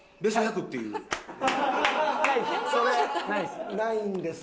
それないんですよ。